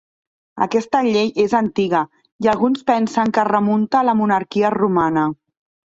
Aquesta llei és antiga i alguns pensen que es remunta a la monarquia romana.